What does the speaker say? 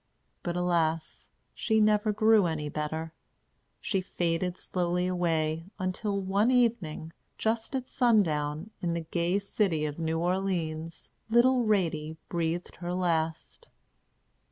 But, alas! she never grew any better. She faded slowly away, until one evening, just at sundown, in the gay city of New Orleans, little Ratie breathed her last.